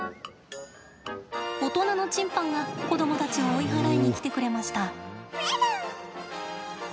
大人のチンパンが、子どもたちを追い払いに来てくれました。